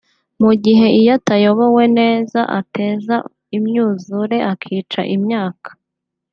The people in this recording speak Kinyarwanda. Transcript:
mu gihe iyo atayobowe neza ateza imyuzure akica imyaka